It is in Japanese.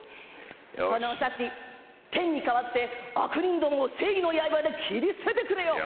このお幸天に代わって悪人どもを正義のやいばで斬り捨ててくれよう！